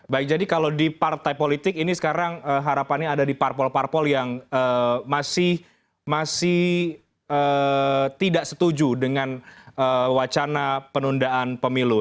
baik jadi kalau di partai politik ini sekarang harapannya ada di parpol parpol yang masih tidak setuju dengan wacana penundaan pemilu